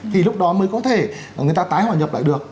thì lúc đó mới có thể người ta tái hòa nhập lại được